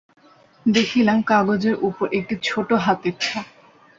দেখিলাম, কাগজের উপর একটি ছোটো হাতের ছাপ।